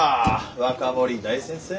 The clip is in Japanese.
若森大先生。